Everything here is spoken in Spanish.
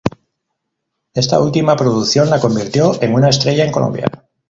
Esta última producción la convirtió en una estrella en Colombia.